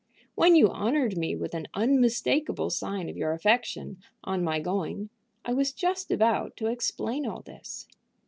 When you honored me with an unmistakable sign of your affection, on my going, I was just about to explain all this.